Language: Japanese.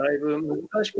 難しく